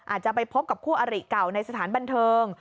อาจจะไปพบกับคู่อริเก่าในสถานบันเทิง